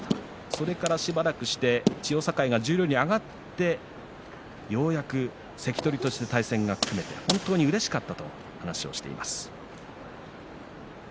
それからしばらくして千代栄が十両に上がってようやく関取として対戦を組めて本当にうれしかったと話をしています。